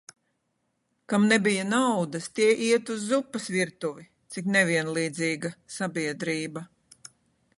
Kam nebija naudas, tie iet uz zupas virtuvi. Cik nevienlīdzīga sabiedrība.